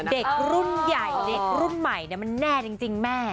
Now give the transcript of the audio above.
เด็กรุ่นใหญ่เด็กรุ่นใหม่มันแน่จริงแม่